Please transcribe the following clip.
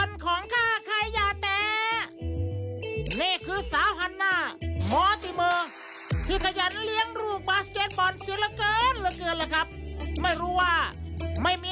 รอจากบอลครับ